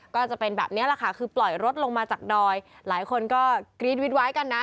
ก็จะเป็นแบบนี้แหละค่ะคือปล่อยรถลงมาจากดอยหลายคนก็กรี๊ดวิดไว้กันนะ